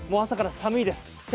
朝から寒いです。